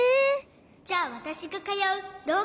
じゃあわたしがかようろう